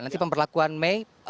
nanti pemberlakuan mei